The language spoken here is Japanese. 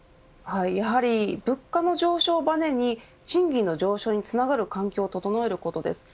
やはり物価の上昇をバネに賃金の上昇につながる環境を整えることです。